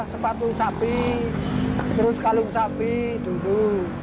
sepatu sapi terus kalung sapi duduk